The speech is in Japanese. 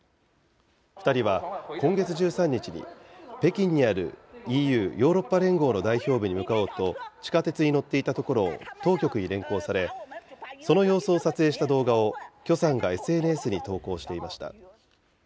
２人は今月１３日に、北京にあるＥＵ・ヨーロッパ連合の代表部に向かおうと地下鉄に乗っていたところを当局に連行され、その様子を撮影した動画を許さんがＳＮＳに投稿していました。